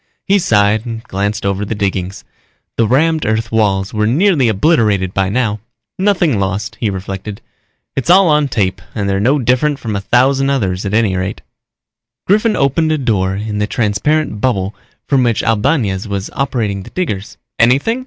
_ He sighed and glanced over the diggings. The rammed earth walls were nearly obliterated by now. Nothing lost, he reflected. It's all on tape and they're no different from a thousand others at any rate. Griffin opened a door in the transparent bubble from which Albañez was operating the diggers. "Anything?"